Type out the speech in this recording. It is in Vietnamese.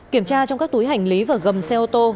kiểm tra trong các túi hành lý và gầm xe ô tô